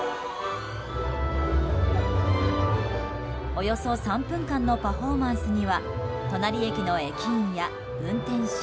およそ３分間のパフォーマンスには隣駅の駅員や運転士